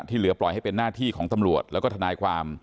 เหลือปล่อยให้เป็นหน้าที่ของตำรวจแล้วก็ทนายความ